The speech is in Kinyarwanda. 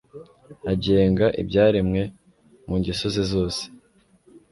agenga ibyaremwe mu ngeso ze zose